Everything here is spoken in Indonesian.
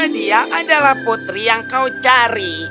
dia adalah putri yang kau cari